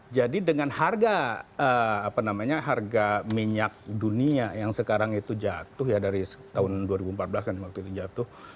jadi dengan harga apa namanya harga minyak dunia yang sekarang itu jatuh ya dari tahun dua ribu empat belas kan waktu itu jatuh